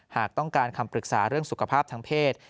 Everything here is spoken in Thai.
หากต้องการคำปรึกษาเรื่องสุขภาพทางเพศ